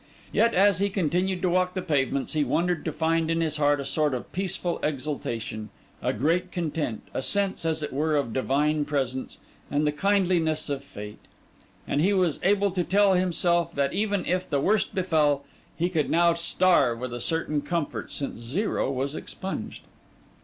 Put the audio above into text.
Yet as he continued to walk the pavements, he wondered to find in his heart a sort of peaceful exultation, a great content, a sense, as it were, of divine presence and the kindliness of fate; and he was able to tell himself that even if the worst befell, he could now starve with a certain comfort since Zero was expunged.